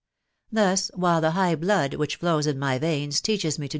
Thus, while the high blood which ftfwwin my veins teaehe* me to.